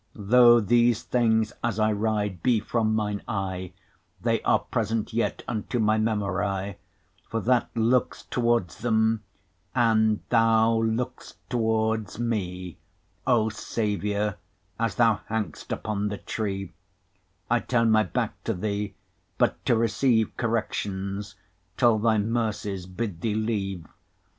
Though these things, as I ride, be from mine eye, They'are present yet unto my memory, For that looks towards them; and thou look'st towards mee, 35 O Saviour, as thou hang'st upon the tree; I turne my backe to thee, but to receive Corrections, till thy mercies bid thee leave.